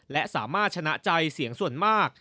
และสามารถชนะใจเสียงส่วนมาก